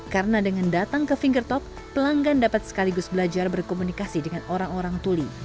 karena dengan datang ke fingertalk pelanggan dapat sekaligus belajar berkomunikasi dengan orang orang tuli